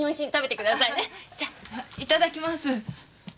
いただきます。